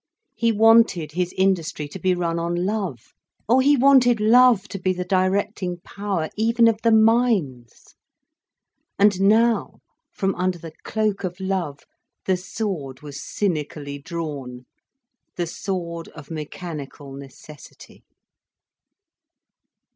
He wanted his industry to be run on love. Oh, he wanted love to be the directing power even of the mines. And now, from under the cloak of love, the sword was cynically drawn, the sword of mechanical necessity.